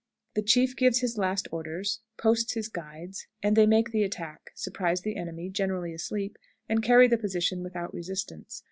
The chief gives his last orders, posts his guides, and they make the attack, surprise the enemy, generally asleep, and carry the position without resistance.